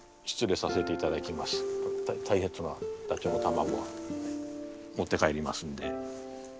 大切なダチョウの卵は持って帰りますんで。